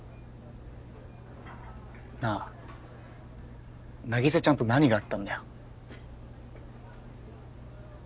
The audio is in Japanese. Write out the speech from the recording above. なぁ凪沙ちゃんと何があったんだよ？